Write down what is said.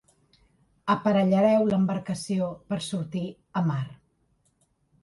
Aparellareu l'embarcació per sortir a mar.